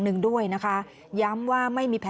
คุณสิริกัญญาบอกว่า๖๔เสียง